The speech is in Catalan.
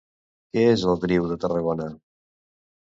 Què és el Griu de Tarragona?